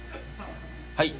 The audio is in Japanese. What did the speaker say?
はい。